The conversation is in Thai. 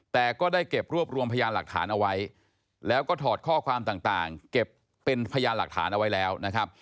แต่ก็ได้เก็บรวบรวมพยานหลักฐานเอาไว้แล้วก็ถอดข้อความต่างเก็บเป็นพยานหลักฐานเอาไว้แล้วนะครับ